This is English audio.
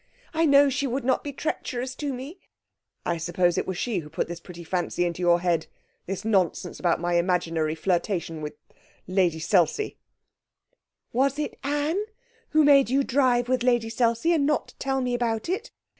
I know she would not be treacherous to me.' 'I suppose it was she who put this pretty fancy in your head this nonsense about my imaginary flirtation with Lady Selsey?' 'Was it Anne who made you drive with Lady Selsey, and not tell me about it?